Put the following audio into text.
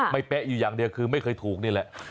ไม่แปะอย่างเดียวคือไม่เคยถูกเนี่ยแหละ